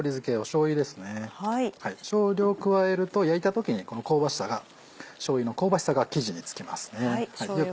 しょうゆを加えると焼いた時にこの香ばしさがしょうゆの香ばしさが生地につきますね。